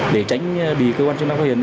để tránh bị cơ quan chức năng phát hiện